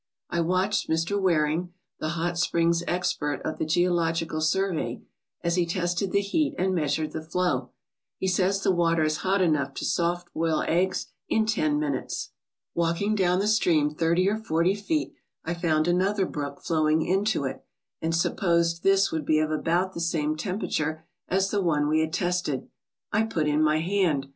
I watched Mr. Waring, the hot springs' expert of the Geological Survey, as he tested the heat and measured the flow. He says the water is hot enough to soft boil eggs in ten minutes. Walking down the stream thirty or forty feet, I found another brook flowing into it, and supposed this would be of about the same temperature as the one we had tested. I put in my hand.